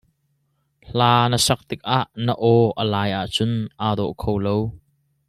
Hla na sak tikah na aw a lai ahcun aa dawh kho lo.